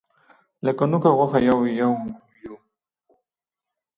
لکه نوک او غوښه یو یو یوو.